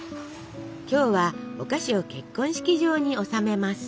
今日はお菓子を結婚式場に納めます。